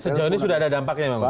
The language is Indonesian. sejauh ini sudah ada dampaknya ya pak